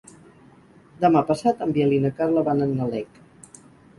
Demà passat en Biel i na Carla van a Nalec.